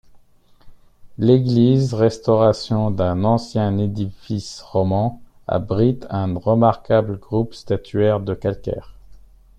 L'église, restauration d'un ancien édifice roman, abrite un remarquable groupe statuaire de calcaire.